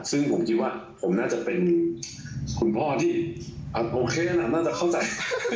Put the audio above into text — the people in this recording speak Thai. ซึ่งผมคิดว่าผมน่าจะเป็นคุณพ่อที่โอเคแนะนำน่าจะเข้าใจ